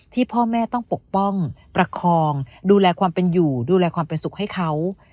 พ่อแม่ต้องปกป้องประคองดูแลความเป็นอยู่ดูแลความเป็นสุขให้เขา